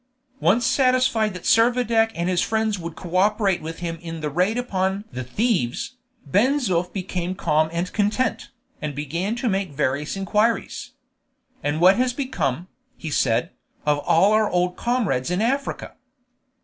Once satisfied that Servadac and his friends would cooperate with him in the raid upon "the thieves," Ben Zoof became calm and content, and began to make various inquiries. "And what has become," he said, "of all our old comrades in Africa?"